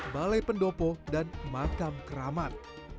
balai pendopo dan makam keramat